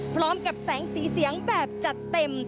พร้อมกับแสงสีเสียงแบบจัดเต็ม